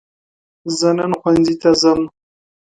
زه نن ښوونځي ته ځم.